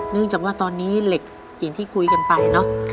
เนื่องจากว่าตอนนี้เหล็กอย่างที่คุยกันไปเนอะ